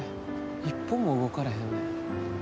一歩も動かれへんねん。